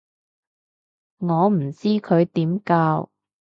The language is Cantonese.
我唔知佢點教